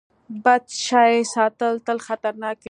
بد شی ساتل تل خطرناک وي.